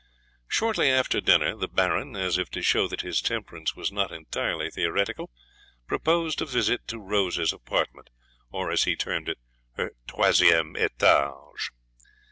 Shortly after dinner, the Baron, as if to show that his temperance was not entirely theoretical, proposed a visit to Rose's apartment, or, as he termed it, her troisieme etage.